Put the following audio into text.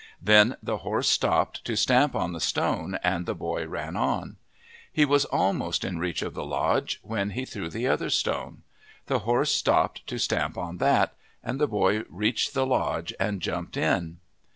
Then the horse stopped to stamp on the stone and the boy ran on. He was almost in reach of the lodge when he threw the other stone. The horse stopped to stamp on that, and the boy reached the lodge and jumped in.